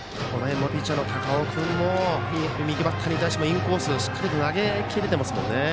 ピッチャーの高尾君も右バッターに対してのインコースをしっかり投げ切れていますね。